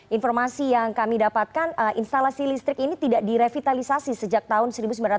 informasi yang kami dapatkan instalasi listrik ini tidak direvitalisasi sejak tahun seribu sembilan ratus sembilan puluh